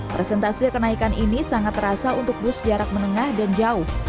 presentase kenaikan ini sangat terasa untuk bus jarak menengah dan jauh